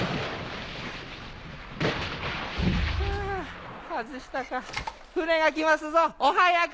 はぁ外したか舟が来ますぞお早く！